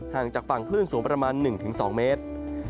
จากฝั่งคลื่นสูงประมาณ๑๒เมตร